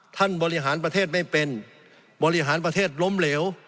บริหารประเทศไม่เป็นบริหารประเทศล้มเหลว